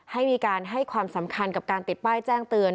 ให้มีการให้ความสำคัญกับการติดป้ายแจ้งเตือน